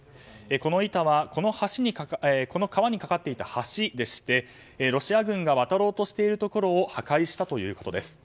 この板はこの川に架かっていた橋でしてロシア軍が渡ろうとしているところを破壊したということです。